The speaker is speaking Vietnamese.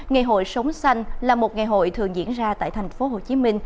ngày hội sống xanh là một ngày hội thường diễn ra tại tp hcm